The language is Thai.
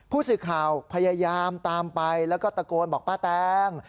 ผู้สื่อข่าวพยายามตามไปแล้วก็ตะโกนบอกป้าแตง